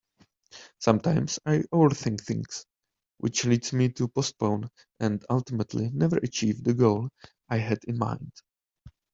Sometimes I overthink things which leads me to postpone and ultimately never achieve the goal I had in mind.